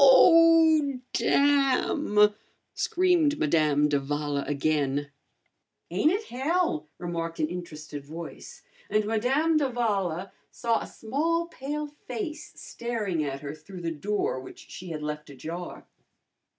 "Oh! Damn!" screamed Madame d'Avala again. "Ain't it hell?" remarked an interested voice, and Madame d'Avala saw a small pale face staring at her through the door which she had left ajar.